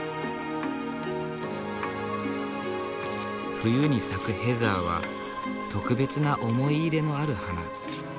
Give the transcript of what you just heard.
冬に咲くヘザーは特別な思い入れのある花。